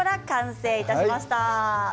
完成いたしました。